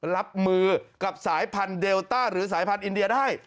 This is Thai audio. รับมือกับสายพันธุเดลต้าหรือสายพันธุอินเดียได้